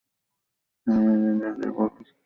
হ্যা, আমি ইরেল্যান্ডের, বলদ।